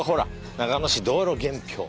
「長野市道路元標」。